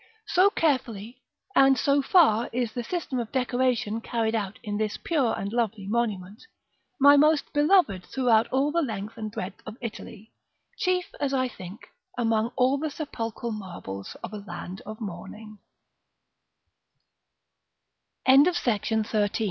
So carefully, and so far, is the system of decoration carried out in this pure and lovely monument, my most beloved throughout all the length and breadth of Italy; chief, as I think, among all the sepulchral marbles of a lan